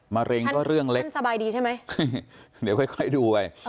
มะเร็งก็เรื่องเล็กท่านท่านสบายดีใช่ไหมเดี๋ยวค่อยค่อยดูไว้อ๋อ